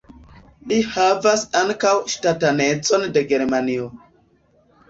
Li havas ankaŭ ŝtatanecon de Germanio.